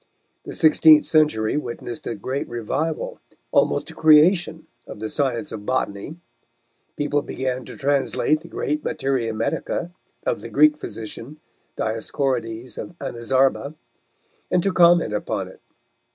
The sixteenth century witnessed a great revival, almost a creation of the science of botany. People began to translate the great Materia Medica of the Greek physician, Dioscorides of Anazarba, and to comment upon it.